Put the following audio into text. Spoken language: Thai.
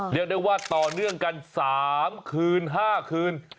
เรียกได้ว่าต่อเนื่องกัน๓คืน๕คืน